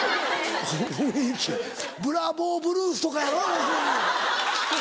『ブラボーブルース』とかやろ要するに。